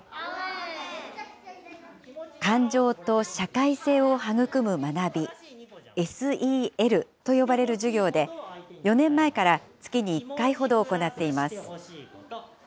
感情と社会性を育む学び、ＳＥＬと呼ばれる授業で、４年前から、月に１回ほど行っています。